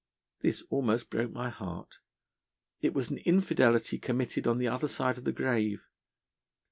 This almost broke my heart; it was an infidelity committed on the other side of the grave.